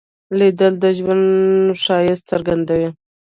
لیدل د ژوند ښایست څرګندوي